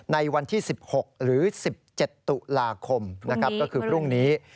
ในวันที่๑๖หรือ๑๗ตุลาคมก็คือพรุ่งนี้